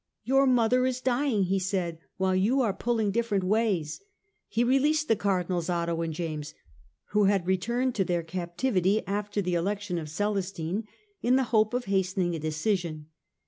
" Your mother is dying," he said, " while you are pulling different ways." He released the Cardinals Otho and James, who had returned to their captivity after the election of Celestine, in the hope of hastening a decision.